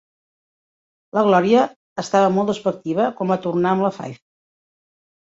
La Glòria estava molt despectiva quan va tornar amb la Faith.